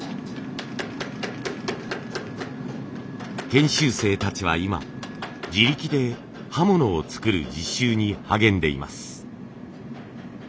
研修生たちは今自力で刃物を作る実習に励んでいます。